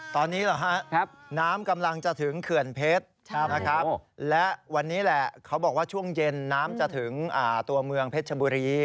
ตอนนี้เหรอฮะน้ำกำลังจะถึงเขื่อนเพชรนะครับและวันนี้แหละเขาบอกว่าช่วงเย็นน้ำจะถึงตัวเมืองเพชรชบุรี